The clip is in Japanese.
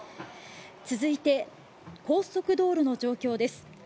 続いて、高速道路の状況です。